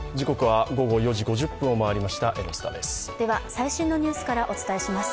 最新のニュースからお伝えします。